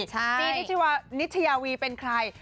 จีนิชยาวีเป็นใคร